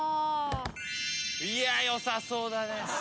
いや良さそうだね。